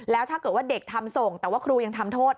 แล้วถ้าเกิดว่าเด็กทำส่งแต่ว่าครูยังทำโทษ